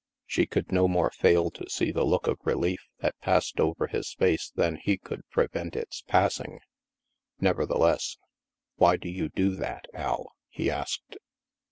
She could no more fail to see the look of relief (( u HAVEN 281 that passed over his face than he could prevent its passing. Nevertheless, "Why do you do that, Al?" he asked.